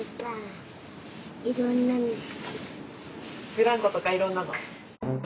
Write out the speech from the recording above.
ブランコとかいろんなの？